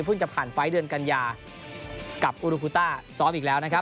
จะผ่านไฟล์เดือนกัญญากับอุรุกูต้าซ้อมอีกแล้วนะครับ